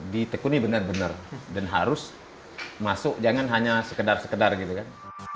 ditekuni benar benar dan harus masuk jangan hanya sekedar sekedar gitu kan